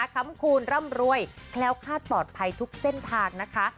คำคูณร่ำรวยแคล้วคาดปลอดภัยทุกเส้นทางนะคะ